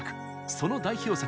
その代表作